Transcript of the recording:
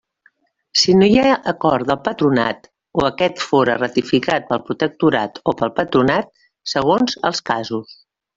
Si no hi ha acord del Patronat, o aquest fóra ratificat pel Protectorat o pel Patronat, segons els casos.